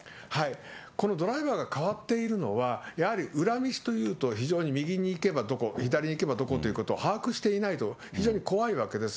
このドライバーが変わっているのは、やはり裏道というと、非常に右に行けばどこ、左に行けばどこということを把握していないと、非常に怖いわけです。